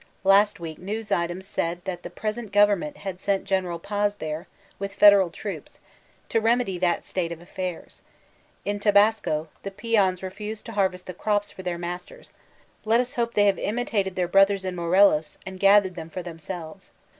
Last week news items said that the present government had sent General Pftz there, mth federal troops, to remedy that state of affairs. In Tabasco, the peons refused to harvest the crops for their masters ; let us hope they have imitated their brothers in Morelos and gathered them for them selves.